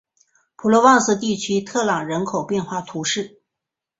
普罗旺斯地区特朗人口变化图示